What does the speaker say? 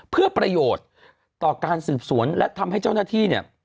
เพื่อประโยชน์ต่อการสืบสวนและทำให้เจ้าหน้าที่เนี่ย